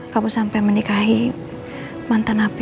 kamu sampai menikahi mantan api